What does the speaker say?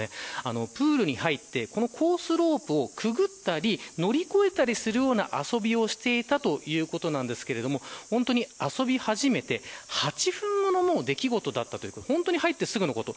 プールに入ってコースロープをくぐったり乗り越えたりする遊びをしていたということなんですが遊び始めて８分後の出来事だったということで入ってすぐのこと。